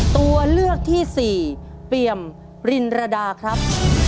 ตัวเลือกที่สี่เปี่ยมรินรดาครับ